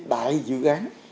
đại dự án